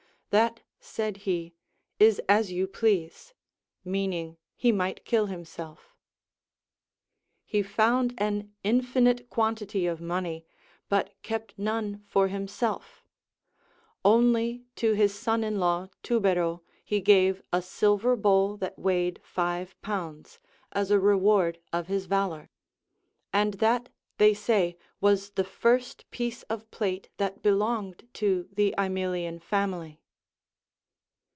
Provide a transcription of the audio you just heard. That, said he, is as you please, — mean ing he might kill himself He found an infinite quantity AND GREAT COMMANDERS. ^ 233 of money, but kept none for himself; only to liis son in law Tubero he gave a silver bowl that weighed five pounds, as a reward of his valor ; and that, they say, was the first piece of plate that belonged to the Aemilian family.